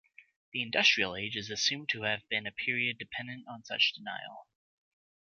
The industrial age is assumed to have been a period dependent on such denial.